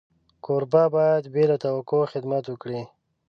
کوربه باید بې له توقع خدمت وکړي.